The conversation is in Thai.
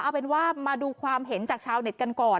เอาเป็นว่ามาดูความเห็นจากชาวเน็ตกันก่อน